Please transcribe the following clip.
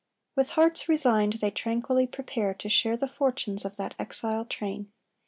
With hearts resigned they tranquilly prepare To share the fortunes of that exile train.